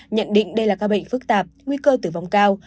nhận định đây là ca bệnh phức tạp nguy cơ tử vong cao